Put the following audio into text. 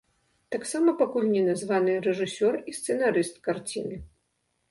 Таксама пакуль не названыя рэжысёр і сцэнарыст карціны.